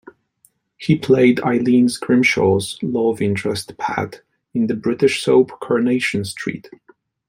He played Eileen Grimshaw's love interest Pat in the British soap "Coronation Street".